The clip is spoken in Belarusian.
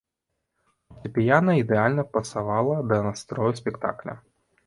Фартэпіяна ідэальна пасавала да настрою спектакля.